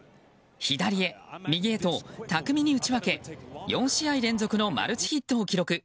左へ右へと巧みに打ち分け４試合連続のマルチヒットを記録。